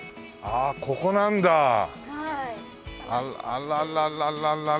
あらららら。